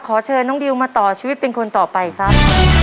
ขอเชิญน้องดิวมาต่อชีวิตเป็นคนต่อไปครับ